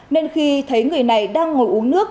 nên khi thấy người này đang ngồi uống nước